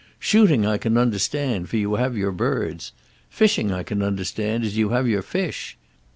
Shooting I can understand, for you have your birds. Fishing I can understand, as you have your fish.